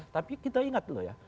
tapi kita ingat dulu ya